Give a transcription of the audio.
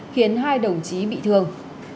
khiến hai đồng chí bị thương